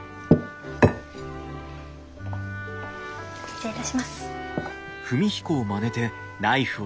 失礼いたします。